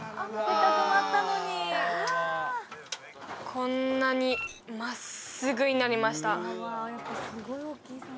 こんなに真っすぐになりました